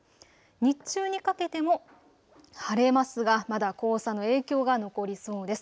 日中にかけても晴れますがまだ黄砂の影響が残りそうです。